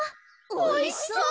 おいしそう！